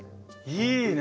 いいね。